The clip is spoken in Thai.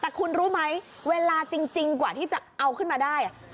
แต่คุณรู้ไหมเวลาจริงกว่าที่จะเอาขึ้นมาได้